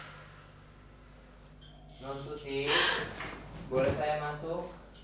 tidak tuti boleh saya masuk